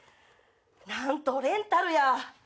なんとレンタルや。